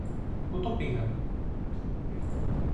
Πού το πήγαν;